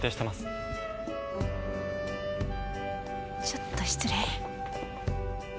ちょっと失礼。